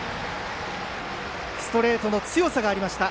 ストレートの強さがありました